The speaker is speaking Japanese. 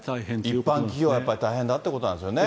一般企業はやっぱり大変だってことなんですよね。